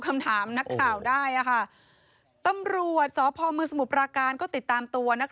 คำถามนักข่าวได้ตำรวจสพมสมุทรปราการก็ติดตามตัวนัก